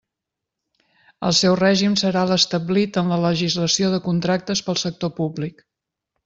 El seu règim serà l'establit en la legislació de contractes del sector públic.